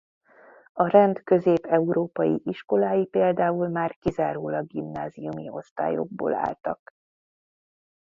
A rend közép-európai iskolái például már kizárólag gimnáziumi osztályokból álltak.